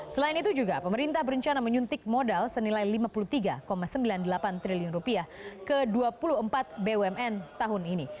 selain itu juga pemerintah berencana menyuntik modal senilai rp lima puluh tiga sembilan puluh delapan triliun ke dua puluh empat bumn tahun ini